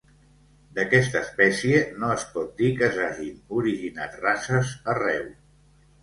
D'aquesta espècie no es pot dir que s'hagin originat races arreu.